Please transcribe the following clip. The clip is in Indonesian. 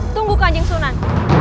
tunggu kan jengsunan